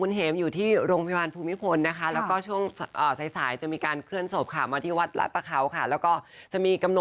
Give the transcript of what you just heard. แล้วก็ต้องขอแสดงความเสียใจกับทั้งครอบครัวพี่เขาเลยค่ะ